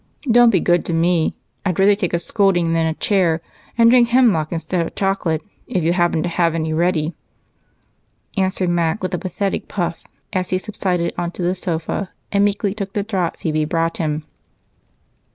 "Don't be good to me I'd rather take a scolding than a chair, and drink hemlock instead of chocolate if you happen to have any ready," answered Mac with a pathetic puff as he subsided onto the sofa and meekly took the draft Phebe brought him.